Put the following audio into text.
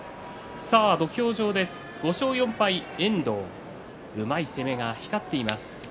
土俵上は５勝４敗の遠藤うまい攻めが光っています。